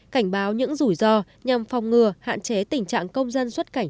cảnh báo những rủi ro nhằm phòng ngừa hạn chế tình trạng công dân xuất cảnh